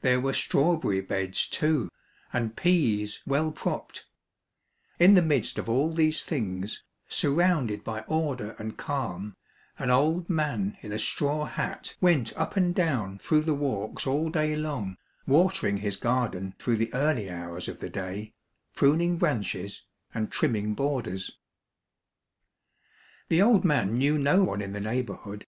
There were strawberry beds too, and peas well propped ; in the midst of all these things, sur rounded by order and calm, an old man in a straw hat went up and down through the walks all day long, watering his garden through the early hours of the day, pruning branches, and trimming borders. The old man knew no one in the neighborhood.